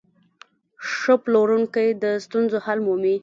ښه پلورونکی د ستونزو حل مومي.